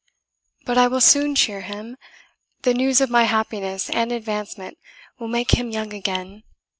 But I will soon cheer him the news of my happiness and advancement will make him young again.